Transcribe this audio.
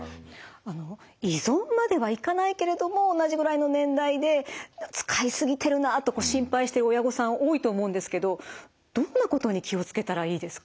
あの依存まではいかないけれども同じぐらいの年代で使い過ぎてるなと心配している親御さん多いと思うんですけどどんなことに気を付けたらいいですか？